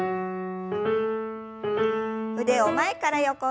腕を前から横に。